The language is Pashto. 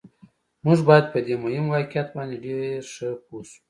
موږ باید په دې مهم واقعیت باندې ډېر ښه پوه شو